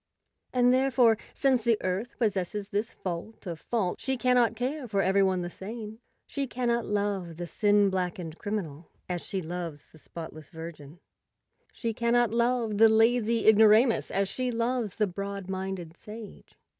And therefore, since the Earth possesses this fault of faults, she cannot care for every one the same; she cannot love the sin blackened criminal as she loves the spotless virgin; she cannot love the lazy igno¬ ramus as she loves the broad minded sage.